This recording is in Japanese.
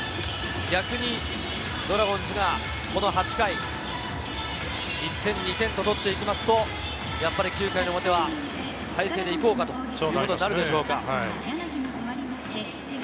逆にドラゴンズがこの８回、１点、２点と取っていくと、やはり９回の表は大勢で行こうかそうなるでしょうね。